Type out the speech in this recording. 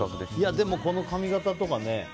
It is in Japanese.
でも、この髪形とかね。